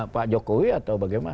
pak jokowi atau bagaimana